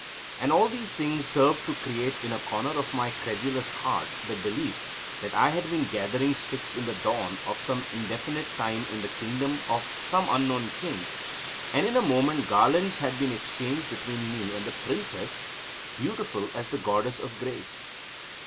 And all these things served to create in a corner of my credulous heart the belief that I had been gathering sticks in the dawn of some indefinite time in the kingdom of some unknown king, and in a moment garlands had been exchanged between me and the princess, beautiful as the Goddess of Grace.